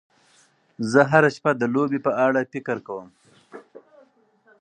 زه هره شپه د لوبې په اړه فکر کوم.